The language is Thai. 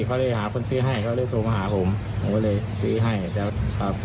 ผมเอาไปวางแล้วพ่อวางเสร็จแล้วก็เดินกลับ